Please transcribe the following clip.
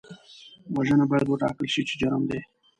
وژنه باید وټاکل شي چې جرم دی